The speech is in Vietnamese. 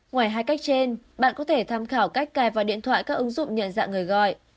ngoài hai cách trên bạn có thể tham khảo cách cài vào điện thoại các ứng dụng nhận dạng người gọi